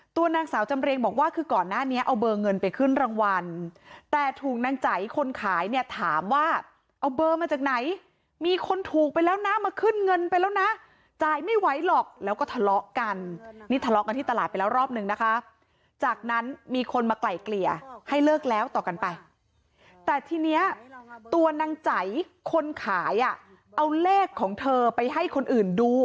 ตัวนางสาวจำเรียงบอกว่าคือก่อนหน้านี้เอาเบอร์เงินไปขึ้นรางวัลแต่ถูกนางใจคนขายเนี่ยถามว่าเอาเบอร์มาจากไหนมีคนถูกไปแล้วนะมาขึ้นเงินไปแล้วนะจ่ายไม่ไหวหรอกแล้วก็ทะเลาะกันนี่ทะเลาะกันที่ตลาดไปแล้วรอบนึงนะคะจากนั้นมีคนมาไกลเกลี่ยให้เลิกแล้วต่อกันไปแต่ทีเนี้ยตัวนางใจคนขายอ่ะเอาเลขของเธอไปให้คนอื่นดู